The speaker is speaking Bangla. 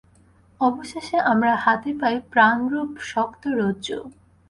অবশেষে আমরা হাতে পাই প্রাণরূপ শক্ত রজ্জু।